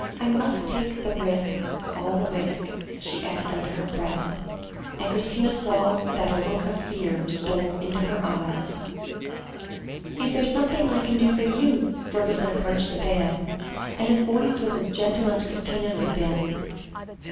I must take the risk all the risk," she added under her breath, and Christina saw that a look of fear stole into her eyes. "Is there something I can do for you?" Fergusson approached the bed, and his voice was as gentle as Christina's had been.